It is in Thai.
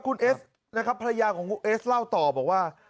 คุณเอสนะครับภรรยาของคุณเอสเล่าต่อบอกว่า